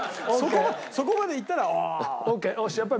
そこまでいったらああ！